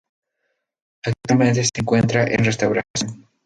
Actualmente se encuentra en restauración.